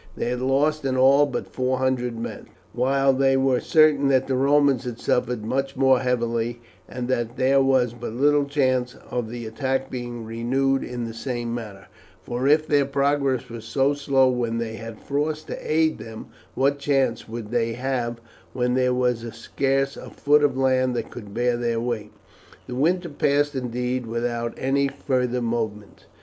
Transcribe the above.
They had lost in all but four hundred men, while they were certain that the Romans had suffered much more heavily, and that there was but little chance of the attack being renewed in the same manner, for if their progress was so slow when they had frost to aid them, what chance would they have when there was scarce a foot of land that could bear their weight? The winter passed, indeed, without any further movement.